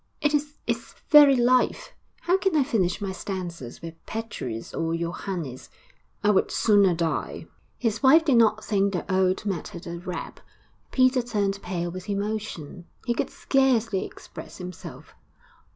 'It is its very life. How can I finish my stanzas with Petrus or Johannes? I would sooner die.' His wife did not think the ode mattered a rap. Peter turned pale with emotion; he could scarcely express himself.